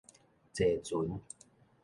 坐船